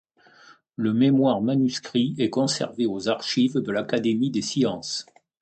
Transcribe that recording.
Le mémoire manuscrit est conservé aux archives de l'Académie des sciences.